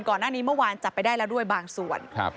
ก่อนอันนี้เมื่อวานจับไปได้แล้วด้วยบางส่วน